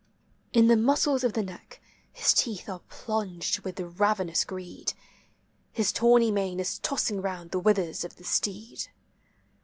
In the muscles of the neck his teeth are plunged with ravenous greed; His tawny mane is tossing round the withers of the steed.